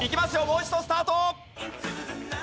もう一度スタート！